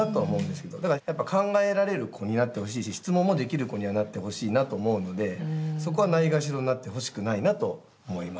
だからやっぱり考えられる子になってほしいし質問もできる子にはなってほしいなと思うのでそこはないがしろになってほしくないなと思います。